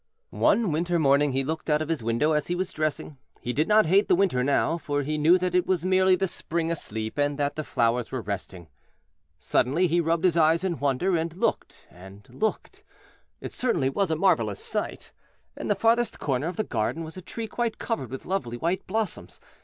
One winter morning he looked out of his window as he was dressing. He did not hate the Winter now, for he knew that it was merely the Spring asleep, and that the flowers were resting. Suddenly he rubbed his eyes in wonder, and looked and looked. It certainly was a marvellous sight. In the farthest corner of the garden was a tree quite covered with lovely white blossoms.